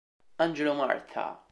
Angelo Martha